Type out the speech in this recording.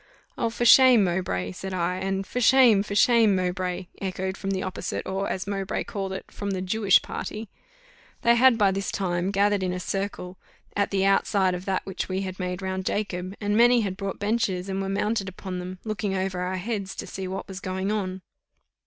"Oh! for shame, Mowbray!" said I. And "For shame! for shame, Mowbray!" echoed from the opposite, or, as Mowbray called it, from the Jewish party: they had by this time gathered in a circle at the outside of that which we had made round Jacob, and many had brought benches, and were mounted upon them, looking over our heads to see what was going on.